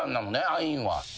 アインは。